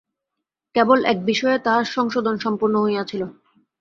কেবল এক বিষয়ে তাহার সংশোধন সম্পূর্ণ হইয়াছিল।